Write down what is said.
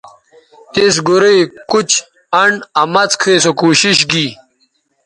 تِس گورئ، کُچ، انڈ آ مڅ کھئ سو کوشش گی